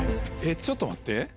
ちょっと待って。